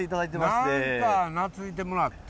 何か懐いてもらって。